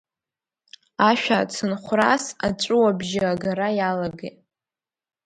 Ашәа ацынхәрас аҵәуабжьы агара иалагеит.